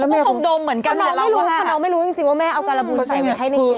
แต่น้องเขาคงดมเหมือนกันแหละเราว่าแต่น้องไม่รู้จริงว่าแม่เอาการบูนใส่ไว้ให้ในเชฟ